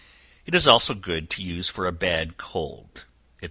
It is also good to use for a bad cold, &c.